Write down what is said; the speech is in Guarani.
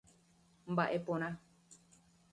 Mba'e porã.